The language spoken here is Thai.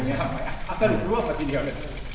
ทำไมเอาจริงร่วมกันทีเดียวเลย